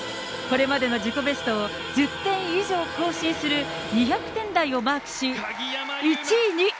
これまでの自己ベストを１０点以上更新する２００点台をマークし、１位に。